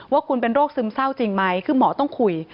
ว่าคุณเป็นโรคซึมเศร้าจริงไหมคือหมอต้องคุย